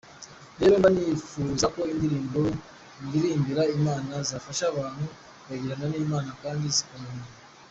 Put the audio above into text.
Rero mba nifuza ko indirimbo ndirimbira Imana zafasha abantu kwegerana n'Imana kandi zikabahindura.